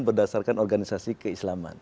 berdasarkan organisasi keislaman